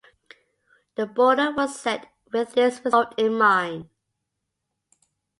The border was set with this result in mind.